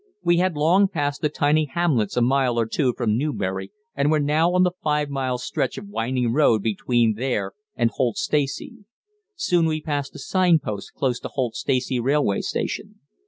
We had long passed the tiny hamlets a mile or two from Newbury and were now on the five miles' stretch of winding road between there and Holt Stacey. Soon we passed the sign post close to Holt Stacey railway station.